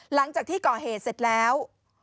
หลังจากที่ก่อเหตุเสร็จแล้ว